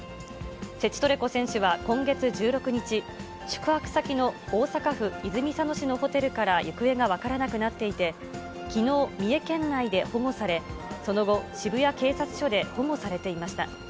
セチトレコ選手は今月１６日、宿泊先の大阪府泉佐野市のホテルから行方が分からなくなっていて、きのう、三重県内で保護され、その後、渋谷警察署で保護されていました。